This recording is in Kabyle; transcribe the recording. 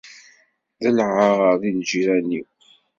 D lɛar i lǧiran-iw.